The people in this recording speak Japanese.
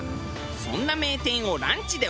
そんな名店をランチでお手軽に。